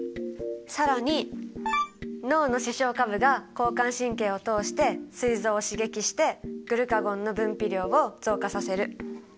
更に脳の視床下部が交感神経を通してすい臓を刺激してグルカゴンの分泌量を増加させる。